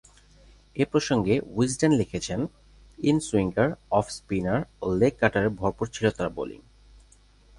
এ প্রসঙ্গে উইজডেন লিখেছে: ‘inswinger, off spinner ও লেগ-কাটারে ভরপুর ছিল তাঁর বোলিং।